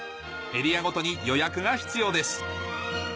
エリアごとに予約が必要です